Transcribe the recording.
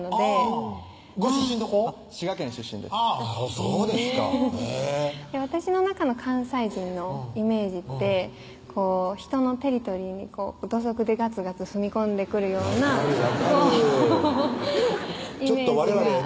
そうですかへぇ私の中の関西人のイメージって人のテリトリーに土足でガツガツ踏み込んでくるような分かる分かる